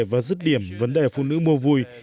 và rứt điểm vấn đề phụ nữ mua vui